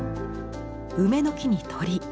梅の木に鳥。